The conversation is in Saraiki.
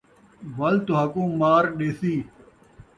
وَل تہاکوں مار ݙیسی،